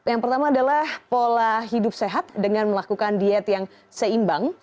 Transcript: yang pertama adalah pola hidup sehat dengan melakukan diet yang seimbang